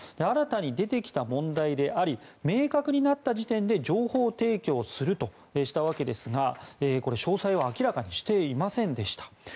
新たに出てきた問題であり明確になった時点で情報提供するとしたわけですが詳細を明らかにしていませんでした。